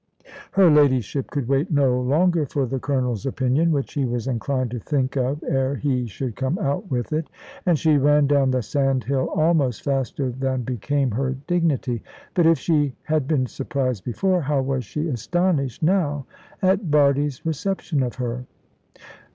Her ladyship could wait no longer for the Colonel's opinion (which he was inclined to think of ere he should come out with it), and she ran down the sandhill almost faster than became her dignity. But if she had been surprised before, how was she astonished now at Bardie's reception of her?